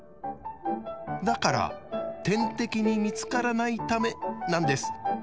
だから天敵に見つからないためなんです。